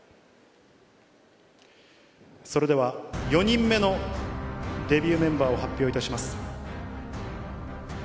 それでは４人目のデビューメンバーを発表いたします。